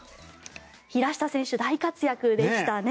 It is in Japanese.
平下選手、大活躍でしたね。